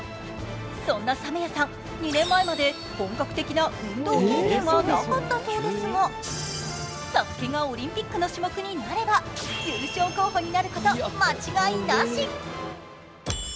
そんなサメアさん、２年前まで本格的な運動経験はなかったそうですが、「ＳＡＳＵＫＥ」がオリンピックの種目になれば優勝候補になること間違いなし！